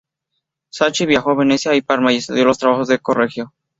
Sacchi viajó a Venecia y Parma y estudió los trabajos de Correggio.